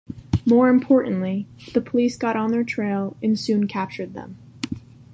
More importantly, the police got on their trail and soon captured them.